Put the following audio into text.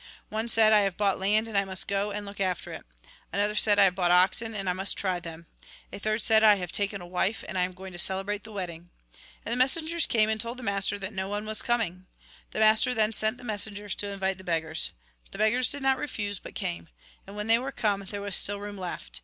One said :' I have bought land, and I must go and look after it.' Another said :' I have bought oxen, and I must try them.' A third said :' I have taken a wife, and am going to celebrate the wedding.' And the messengers came and told the master that no one was coming. The master then sent the messengers to invite the beggars. The beggars did not refuse, but came. And when they were come, there was still room left.